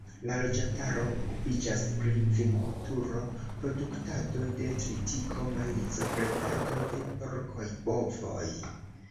La loĝantaro okupiĝas pri vinkulturo, produktado de tritiko, maizo, bredado de porkoj, bovoj.